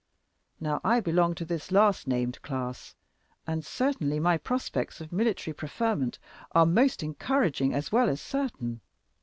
Now I belong to this last named class; and certainly my prospects of military preferment are most encouraging as well as certain.